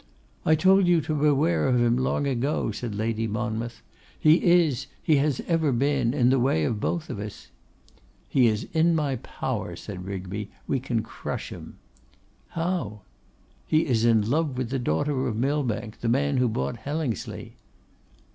'I told you to beware of him long ago,' said Lady Monmouth. 'He is, he has ever been, in the way of both of us.' 'He is in my power,' said Rigby. 'We can crush him!' 'How?' 'He is in love with the daughter of Millbank, the man who bought Hellingsley.